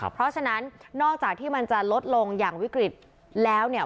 เพราะฉะนั้นนอกจากที่มันจะลดลงอย่างวิกฤตแล้วเนี่ย